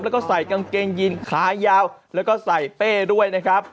แล้วก็ใส่กางเกงยินขายาวแล้วก็ใส่เป้ด้วยนะครับ